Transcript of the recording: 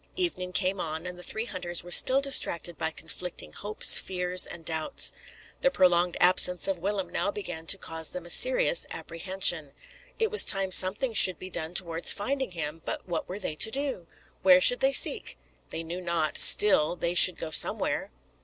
Evening came on, and the three hunters were still distracted by conflicting hopes, fears, and doubts. The prolonged absence of Willem now began to cause them a serious apprehension. It was time something should be done towards finding him; but what were they to do? Where should they seek? They knew not; still, they should go somewhere.